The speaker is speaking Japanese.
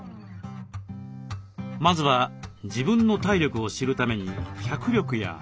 まずは自分の体力を知るために脚力や握力を測定。